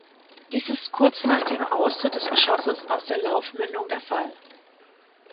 Dies ist kurz nach dem Austritt des Geschosses aus der Laufmündung der Fall.